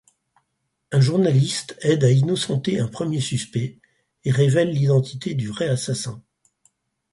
Un journaliste aide à innocenter un premier suspect et révèle l'identité du vrai assassin.